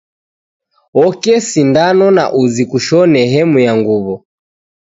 Oke sindano na uzi kushone hemu ya nguw'o